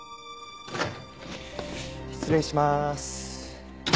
失礼します。